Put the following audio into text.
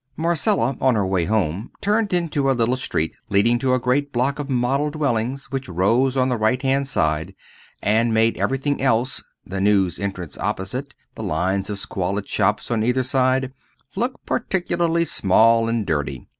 Marcella on her way home turned into a little street leading to a great block of model dwellings, which rose on the right hand side and made everything else, the mews entrance opposite, the lines of squalid shops on either side, look particularly small and dirty.